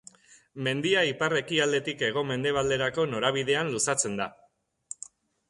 Mendia ipar-ekialdetik hego-mendebalderako norabidean luzatzen da.